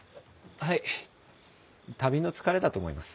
はい旅の疲れだと思います。